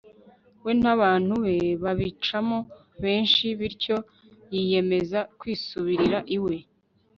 we n'abantu be, babicamo benshi, bityo yiyemeza kwisubirira iwe